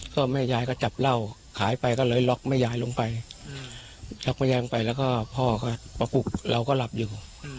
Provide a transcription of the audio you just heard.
ก็แม่ยายก็จับเหล้าขายไปก็เลยล็อกแม่ยายลงไปชักแม่แย้งไปแล้วก็พ่อก็ประกุกเราก็หลับอยู่